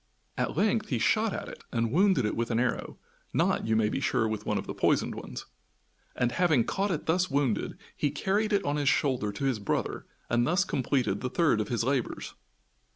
At length he shot at it and wounded it with an arrow not, you may be sure, with one of the poisoned ones and, having caught it thus wounded, he carried it on his shoulder to his brother and thus completed the third of his labors.